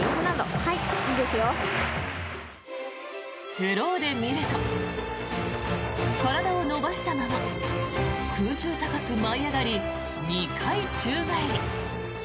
スローで見ると体を伸ばしたまま空中高く舞い上がり２回宙返り。